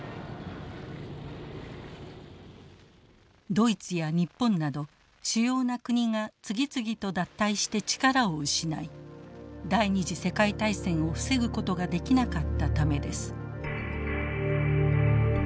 ドイツや日本など主要な国が次々と脱退して力を失い第２次世界大戦を防ぐことができなかったためです。